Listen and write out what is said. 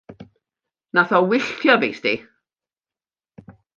Nath o wylltio fi 'sdi.